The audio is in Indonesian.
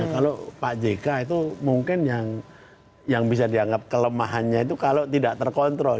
kalau pak jk itu mungkin yang bisa dianggap kelemahannya itu kalau tidak terkontrol